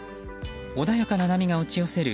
穏やかな波が打ち寄せる